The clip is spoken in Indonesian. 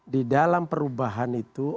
di dalam perubahan itu